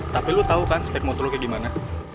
tapi lo tau kan sepet motor lo kayak gimana